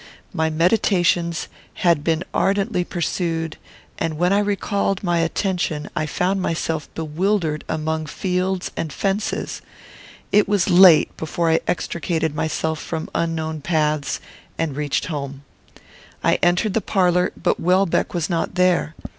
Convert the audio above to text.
My meditations had been ardently pursued, and, when I recalled my attention, I found myself bewildered among fields and fences. It was late before I extricated myself from unknown paths, and reached home. I entered the parlour; but Welbeck was not there.